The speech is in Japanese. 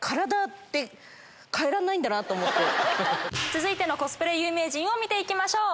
続いてのコスプレ有名人を見て行きましょう。